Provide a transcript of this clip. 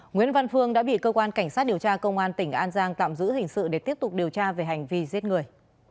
nguyễn văn phương đã bị cơ quan cảnh sát điều tra công an tỉnh an giang tạm giữ hình sự để tiếp tục điều tra về hành vi giết người